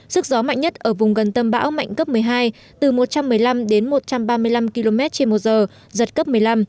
sức gió mạnh nhất ở vùng gần tâm bão mạnh cấp một mươi hai từ một trăm một mươi năm đến một trăm ba mươi năm km trên một giờ giật cấp một mươi năm